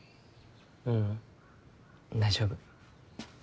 ううん大丈夫。